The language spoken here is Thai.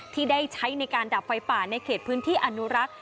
ที่ได้ใช้ในการดับไฟป่าในเขตพื้นที่อนุรักษ์